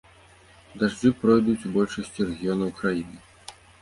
Дажджы пройдуць у большасці рэгіёнаў краіны.